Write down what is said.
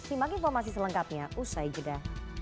simak informasi selengkapnya usai jeda